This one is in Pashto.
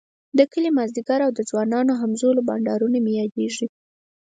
د کلي ماذيګر او د ځوانانو همزولو بنډارونه مي ياديږی